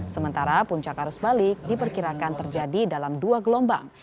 sementara puncak arus balik diperkirakan terjadi dalam dua gelombang